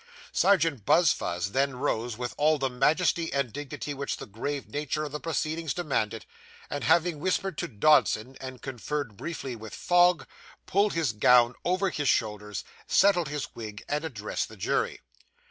Serjeant Buzfuz then rose with all the majesty and dignity which the grave nature of the proceedings demanded, and having whispered to Dodson, and conferred briefly with Fogg, pulled his gown over his shoulders, settled his wig, and addressed the jury.